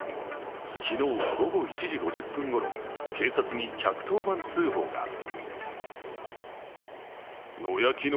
昨日午後１時５０分ごろ、警察に１１０番通報が。